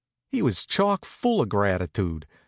He was chock full of gratitude.